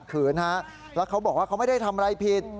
ว่าเขาไม่ได้ทำไรผิด